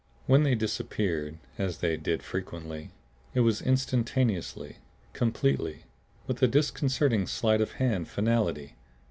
When they disappeared, as they did frequently, it was instantaneously, completely, with a disconcerting sleight of hand finality.